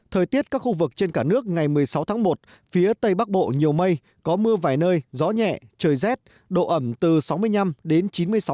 thời tiết các khu vực trên cả nước ngày một mươi sáu tháng một phía tây bắc bộ nhiều mây có mưa vài nơi gió nhẹ trời rét độ ẩm từ sáu mươi năm đến chín mươi sáu độ